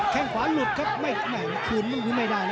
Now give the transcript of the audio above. แข้งขวาหลุดครับคืนไม่ได้นะ